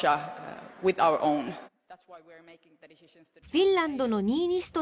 フィンランドのニーニスト